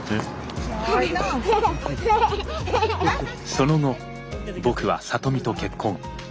その後僕は里美と結婚。